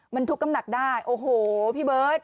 มันทุกน้ำหนักได้โอ้โหพี่เบิร์ต